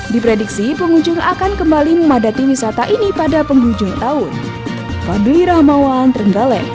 diprediksi pengunjung akan kembali memadati wisata ini pada penghujung tahun